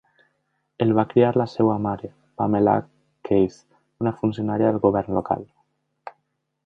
El va criar la seva mare, Pamela Case, una funcionària del govern local.